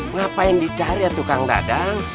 ngapain dicari atu kang dadang